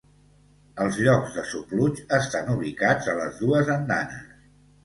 Els llocs de sopluig estan ubicats a les dues andanes.